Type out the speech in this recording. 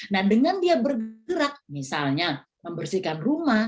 nah dengan dia bergerak misalnya membersihkan rumah